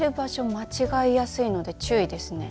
間違いやすいので注意ですね。